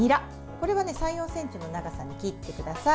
これは３４ｃｍの長さに切ってください。